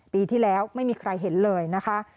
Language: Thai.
ปีที่แล้วไม่มีใครเห็นเลยนะคะ